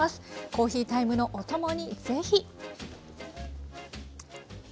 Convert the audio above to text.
コーヒータイムのお供にぜひ。